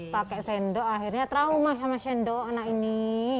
pakai sendok akhirnya trauma sama sendok anak ini